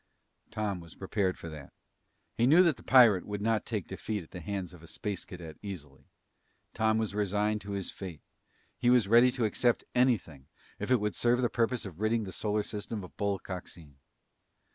Tom was prepared for that. He knew the pirate would not take defeat at the hands of a Space Cadet easily. Tom was resigned to his fate. He was ready to accept anything if it would serve the purpose of ridding the solar system of Bull Coxine.